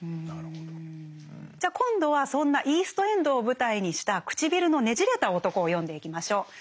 じゃあ今度はそんなイースト・エンドを舞台にした「唇のねじれた男」を読んでいきましょう。